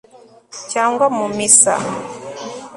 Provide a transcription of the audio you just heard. cyangwa mu misa